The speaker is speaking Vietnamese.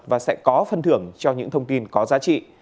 và sẽ có phân thưởng cho những thông tin có giá trị